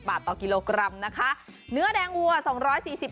๙๐บาทต่อกิโลกรัมนะะเนื้อแดงวัว๒๔๐บาทต่อกิโลกรัม